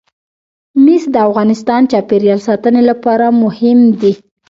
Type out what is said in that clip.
مس د افغانستان د چاپیریال ساتنې لپاره مهم دي.